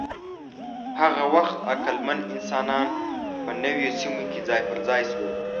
هغه وخت عقلمن انسانان په نویو سیمو کې ځای پر ځای شول.